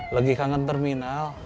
lagi kangen terminal